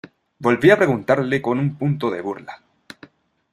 volví a preguntarle con una punta de burla: